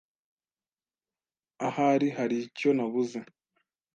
Ahari haricyo nabuze.